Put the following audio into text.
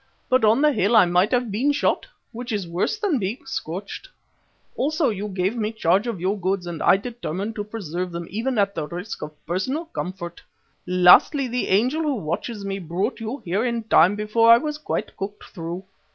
But on the hill I might have been shot, which is worse than being scorched. Also you gave me charge of your goods and I determined to preserve them even at the risk of personal comfort. Lastly, the angel who watches me brought you here in time before I was quite cooked through.